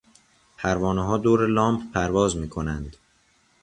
پروانهها دور لامپ پرواز میکنند.